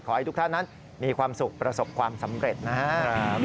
ให้ทุกท่านนั้นมีความสุขประสบความสำเร็จนะครับ